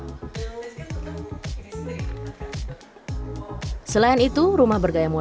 selain itu rumah bergaya minimalis juga memiliki gaya minimalis